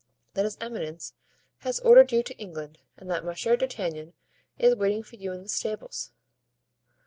"That his eminence has ordered you to England and that Monsieur d'Artagnan is waiting for you in the stables."